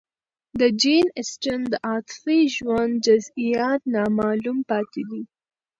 د جین اسټن د عاطفي ژوند جزئیات نامعلوم پاتې دي.